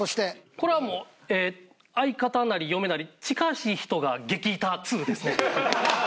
これは相方なり嫁なり「近しい人が激イタ２」ですね。